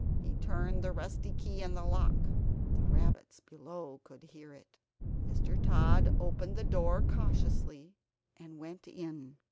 He turned the rusty key in the lock; the rabbits below could hear it. Mr. Tod opened the door cautiously and went in.